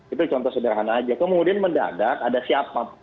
itu contoh sederhana aja kemudian mendadak ada siapa